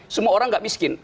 semua orang gak miskin